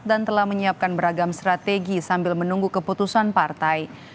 dan telah menyiapkan beragam strategi sambil menunggu keputusan partai